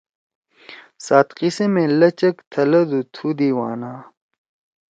سات قسیِمے لچک تھلَدُو تُھو دیوانا“